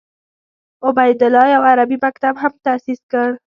عبیدالله یو عربي مکتب هم تاسیس کړ.